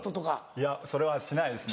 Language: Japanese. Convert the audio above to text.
いやそれはしないですね